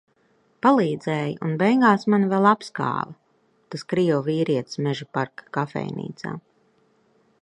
Palīdzēja un beigās mani vēl apskāva. Tas krievu vīrietis Mežaparka kafejnīcā.